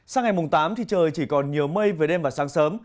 sáng ngày mùng tám thì trời chỉ còn nhiều mây về đêm và sáng sớm